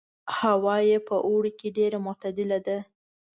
هوا یې په اوړي کې ډېره معتدله ده.